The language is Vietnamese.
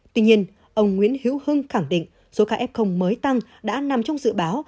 tuy nhiên ông nguyễn hữu hưng khẳng định số ca f mới tăng đã nằm trong dự báo